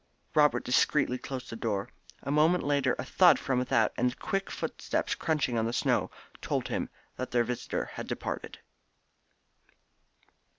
Robert discreetly closed the door. A moment later a thud from without, and the quick footsteps crunching on the snow told him that their visitor had departed.